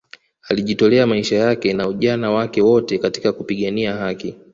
alijitolea maisha yake na ujana wake wote katika kupigania haki